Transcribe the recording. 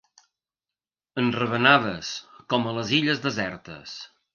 Enravenades com a les illes desertes.